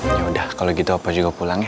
yaudah kalau gitu opa juga pulang ya